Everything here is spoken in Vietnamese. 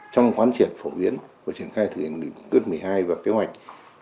trong quan triển phổ biến và triển khai thực hiện nghị quyết một mươi hai và kế hoạch một trăm một mươi tám